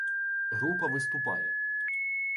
Група виступає.